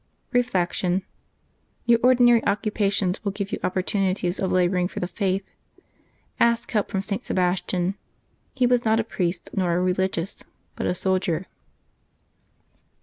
Reflection. — Your ordinary occupations will give you opportunities of laboring for the faith. Ask help from St. Sebastian. He was not a priest nor a religious, but a soldier.